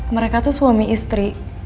mereka tuh suami istri